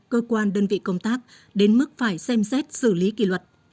cơ quan đơn vị công tác đến mức phải xem xét xử lý kỷ luật